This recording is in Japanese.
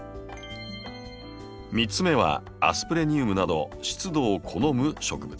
３つ目はアスプレニウムなど湿度を好む植物。